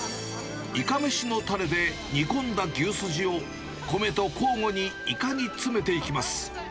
いかめしのたれで煮込んだ牛すじを米と交互にイカに詰めていきます。